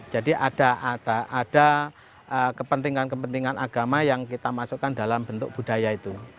jadi ada kepentingan kepentingan agama yang kita masukkan dalam bentuk budaya itu